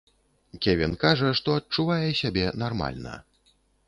Кевін кажа, што адчувае сябе нармальна.